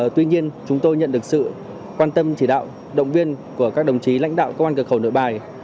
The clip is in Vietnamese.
tuy nhiên chúng tôi nhận được sự quan tâm chỉ đạo động viên của các đồng chí lãnh đạo công an cửa khẩu nội bài